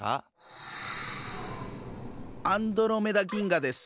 アンドロメダ銀河です。